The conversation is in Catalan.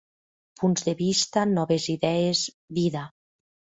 Punts de vista, noves idees, vida.